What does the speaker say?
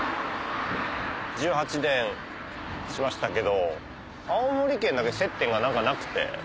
１８年しましたけど青森県だけ接点がなくて。